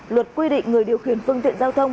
luật quy định người điều khiển phương tiện giao thông